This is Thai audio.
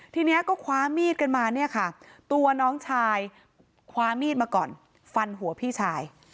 ทีนี้ก็คว้ามีดกันมาเนี่ยค่ะตัวน้องชายคว้ามีดมาก่อนฟันหัวพี่ชาย